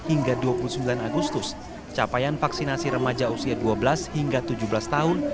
hingga dua puluh sembilan agustus capaian vaksinasi remaja usia dua belas hingga tujuh belas tahun